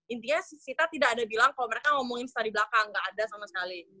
intinya kita tidak ada bilang kalau mereka ngomongin setah di belakang gak ada sama sekali